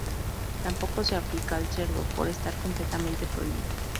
Tampoco se aplica al cerdo, por estar completamente prohibido.